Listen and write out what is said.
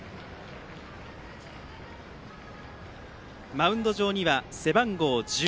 マウンド上には背番号１０